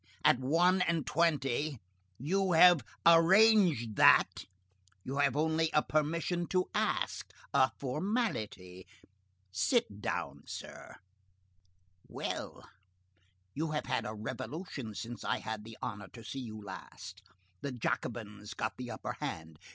At one and twenty! You have arranged that! You have only a permission to ask! a formality. Sit down, sir. Well, you have had a revolution since I had the honor to see you last. The Jacobins got the upper hand.